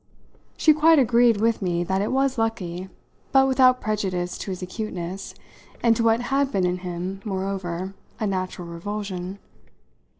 She quite agreed with me that it was lucky, but without prejudice to his acuteness and to what had been in him moreover a natural revulsion.